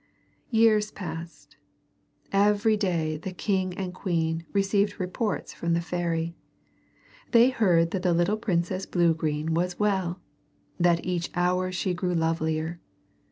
Years passed. Every day the king and queen received reports from the fairy. They heard that the little Princess Bluegreen was well, and that each hour she grew lovelier.